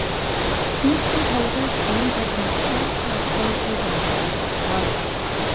These composers aimed at an exact oratorical rendering of the words.